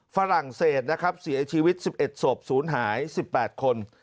ฝรั่งเศสนะครับเสียชีวิต๑๑ศพศูนย์หาย๑๘คน